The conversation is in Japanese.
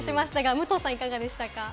武藤さん、いかがでしたか？